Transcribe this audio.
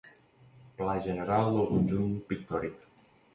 Pla general del conjunt pictòric.